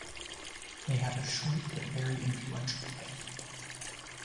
They had a short, but very influential life.